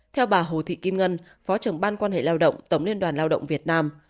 theo bà hồ thị kim ngân phó trưởng ban quan hệ lao động tổng liên đoàn lao động việt nam